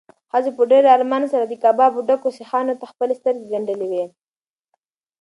ښځې په ډېر ارمان سره د کبابو ډکو سیخانو ته خپلې سترګې ګنډلې وې.